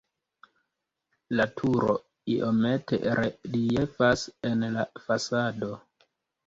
La turo iomete reliefas en la fasado.